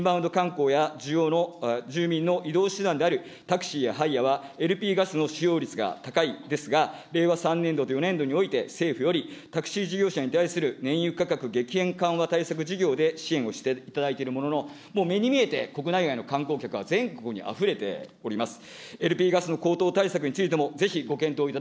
インバウンド観光や住民の移動手段であるタクシーやハイヤーは、ＬＰガスの使用率が高いですが、令和３年度と４年度において、政府よりタクシー事業者に対する燃油価格激変緩和対策事業で支援をしていただいているものの、もう目に見えて国内外の観光客は全国にあふれております。